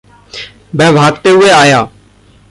वह भागते हुए आया।